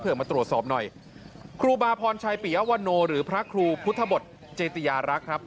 เพื่อมาตรวจสอบหน่อยครูบาพรชัยปิยะวันโนหรือพระครูพุทธบทเจติยารักษ์ครับ